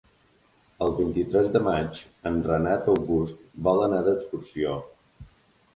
El vint-i-tres de maig en Renat August vol anar d'excursió.